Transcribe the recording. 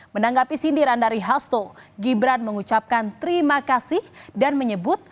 menanggapi sindiran dari hasto gibran mengucapkan terima kasih dan menyebut